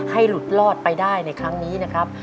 หลุดรอดไปได้ในครั้งนี้นะครับ